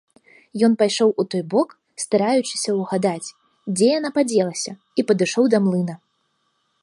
Ён пайшоў у той бок, стараючыся ўгадаць, дзе яна падзелася, і падышоў да млына.